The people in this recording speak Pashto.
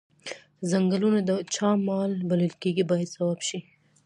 څنګلونه د چا مال بلل کیږي باید ځواب شي.